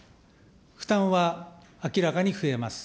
負担は明らかに増えます。